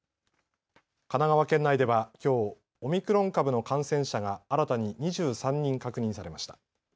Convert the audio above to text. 神奈川県内ではきょう、オミクロン株の感染者が新たに２３人確認されました。